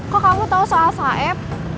kok kamu tau soal saf